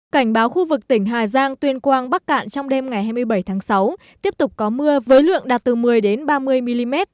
cảnh báo khu vực tỉnh hà giang tuyên quang bắc cạn trong đêm ngày hai mươi bảy tháng sáu tiếp tục có mưa với lượng đạt từ một mươi ba mươi mm